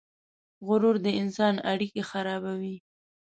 غرور د انسان اړیکې خرابوي.